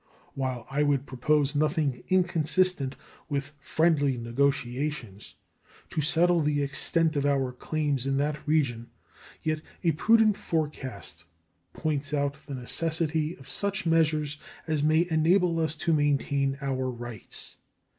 While I would propose nothing inconsistent with friendly negotiations to settle the extent of our claims in that region, yet a prudent forecast points out the necessity of such measures as may enable us to maintain our rights.